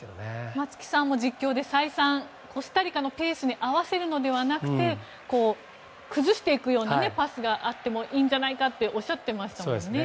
松木さんも実況で再三コスタリカのペースに合わせるのではなくて崩していくようにパスがあってもいいんじゃないかとおっしゃってましたもんね。